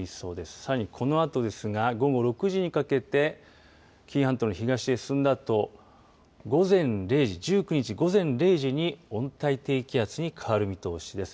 さらに、このあとですが午後６時にかけて紀伊半島の東へ進んだあと午前０時、１９日、午前０時に温帯低気圧に変わる見通しです。